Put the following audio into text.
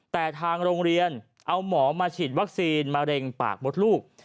แต่ทางโรงเรียนเอาหมอมาฉีดวัคซีนมะเร็งปากมดลูก